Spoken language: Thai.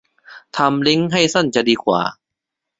ทำลิงก์ให้สั้นจะดีกว่า